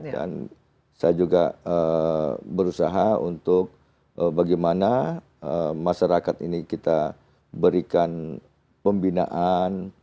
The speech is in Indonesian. dan saya juga berusaha untuk bagaimana masyarakat ini kita berikan pembinaan